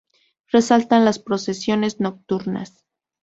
Resaltan las procesiones nocturnas.